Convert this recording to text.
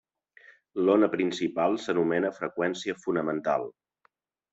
L'ona principal s'anomena freqüència fonamental.